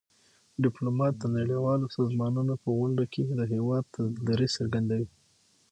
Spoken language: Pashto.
ډيپلومات د نړیوالو سازمانونو په غونډو کي د هېواد دریځ څرګندوي.